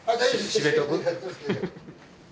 閉めとく？